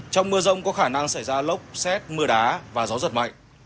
trong mưa rông có khả năng xảy ra lốc xét mưa đá và gió giật mạnh